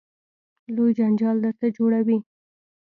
لوی جنجال درته جوړوي.